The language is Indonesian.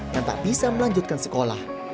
yang tak bisa melanjutkan sekolah